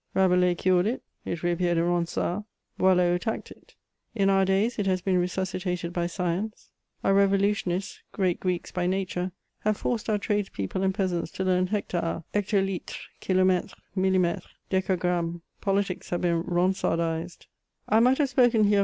Rabelais cured it, it reappeared in Ronsard ; Boileau attacked it. In our days it has been resuscitated by science ; our revolutionists, great Greeks by nature, have forced our trades people and peasants to learn hectares, hectolitres, kilometres, millimetres, decagrammes; politics have been Ronsardised, CHATEAUBRIAND. 1 85 I might have spoken here of M.